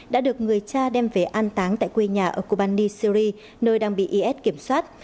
đã được người cha đem về an táng tại quê nhà ở kubany syri nơi đang bị is kiểm soát